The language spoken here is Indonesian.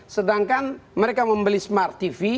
sedangkan mereka membeli smart tv